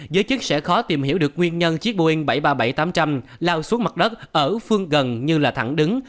giới chức sẽ khó tìm hiểu được nguyên nhân chiếc boeing bảy trăm ba mươi bảy tám trăm linh lao xuống mặt đất ở phương gần như là thẳng đứng